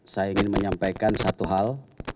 saya ingin menyampaikan satu hal